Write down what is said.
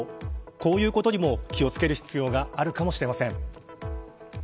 こういうことにも気を付ける必要があるかもしれません。